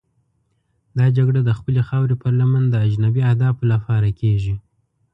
دا جګړه د خپلې خاورې پر لمن د اجنبي اهدافو لپاره کېږي.